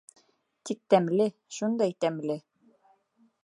Тик тәмле, шундай тәмле.